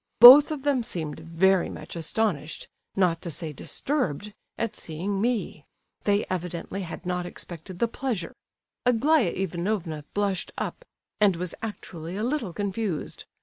Both of them seemed very much astonished, not to say disturbed, at seeing me; they evidently had not expected the pleasure. Aglaya Ivanovna blushed up, and was actually a little confused.